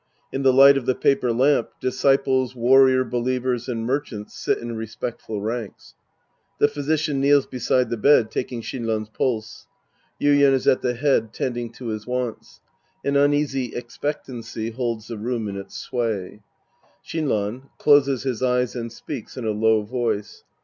In the light of the paper lamp, disciples, warrior believers and merchants sit in respectful ranks. The Physician kneels beside the bed taking Shinran's pulse. Yuien is at the head tending to his wants. An uneasy expectancy holds the room in its sway.) Shinran {closes his eyes and speaks in a low voice.